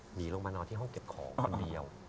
หนีลงมานอนที่ห้องเก็บของคนเดียว